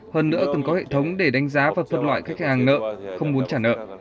hơn nữa từng có hệ thống để đánh giá và phân loại khách hàng nợ không muốn trả nợ